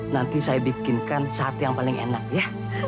nanti saya bikinkan saat yang paling enak ya